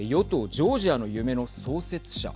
ジョージアの夢の創設者